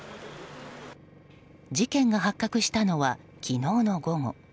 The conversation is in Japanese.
事件が発覚したのは昨日の午後。